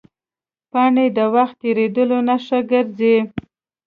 پاڼې د وخت تېرېدو نښه ګرځي